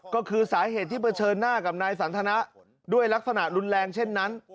ก็คือสาเหตุที่เผชิญหน้ากับนายสันทนะด้วยลักษณะรุนแรงเช่นนั้น